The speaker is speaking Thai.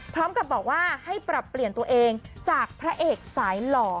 พร้อมกับบอกว่าให้ปรับเปลี่ยนตัวเองจากพระเอกสายหล่อ